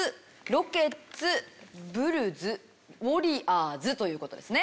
「ロケッツ」「ブルズ」「ウォリアーズ」という事ですね。